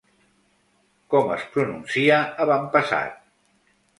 Com es pronuncia avantpassat?